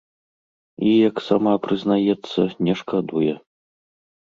І, як сама прызнаецца, не шкадуе.